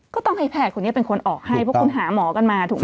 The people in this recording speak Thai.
ก็ต้องให้แพทย์คนนี้เป็นคนออกให้เพราะคุณหาหมอกันมาถูกไหม